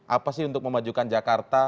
apa sih untuk memajukan jakarta